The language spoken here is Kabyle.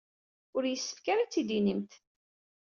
Ur yessefk ara ad t-id-tinimt.